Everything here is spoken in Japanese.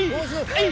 はい！